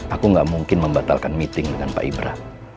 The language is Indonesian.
aku nggak mungkin membatalkan meeting dengan pak ibra